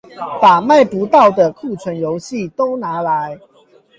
把賣不到的庫存遊戲都拿來